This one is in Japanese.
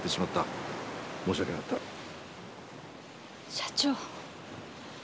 社長。